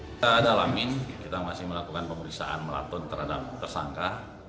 kita ada alamin kita masih melakukan pemeriksaan melatun terhadap tersangka